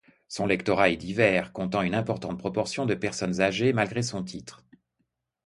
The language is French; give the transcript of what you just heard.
Son lectorat est divers, comptant une importante proportion de personnes âgées, malgré son titre.